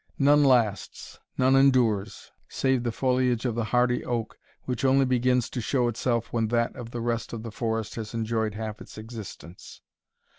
None lasts none endures, save the foliage of the hardy oak, which only begins to show itself when that of the rest of the forest has enjoyed half its existence.